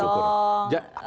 ada sedikit yang dikantong